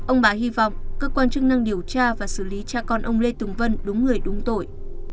ông bà hy vọng cơ quan chức năng điều tra và xử lý cha con ông lê tùng vân đúng người đúng tội